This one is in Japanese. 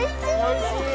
おいしい？